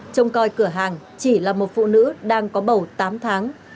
trông coi cửa hàng chỉ là một phụ nữ đang có bầu tám tháng